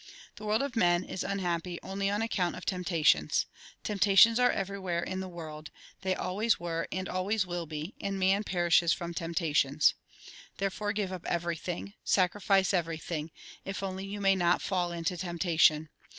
" The world of men is unhappy only on account of temptations. Temptations are everywhere in the world, they always were and always will be ; and man perishes from temptations. " Therefore give up everything, sacrifice every thing, if only you may not fall into temptation.